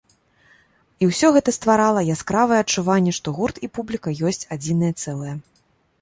І ўсе гэта стварала яскравае адчуванне, што гурт і публіка ёсць адзінае цэлае.